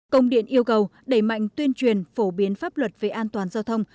công điện yêu cầu đẩy mạnh tuyên truyền phổ biến pháp luật về an toàn giao thông